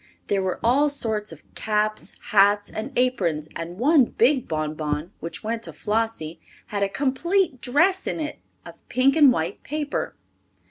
There were all sorts of caps, hats, and aprons, and one big bonbon, which went to Flossie, had a complete dress in it, of pink and white paper.